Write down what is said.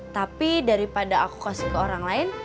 tapi daripada aku kasih ke orang lain